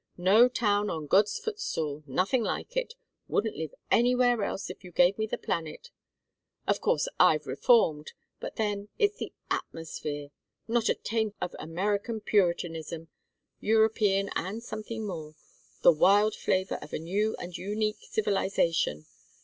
"No town on God's footstool. Nothing like it. Wouldn't live anywhere else if you gave me the planet. Of course I've reformed, but then it's the atmosphere not a taint of American Puritanism European and something more the wild flavor of a new and unique civilization.